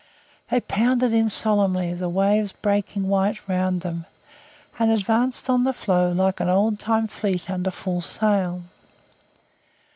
They pounded in solemnly, the waves breaking white round them, and advanced on the floe like an old time fleet under full sail.